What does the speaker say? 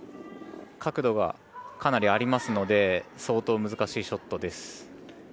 角度がかなりありますので相当難しいショットです。